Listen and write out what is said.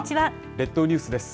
列島ニュースです。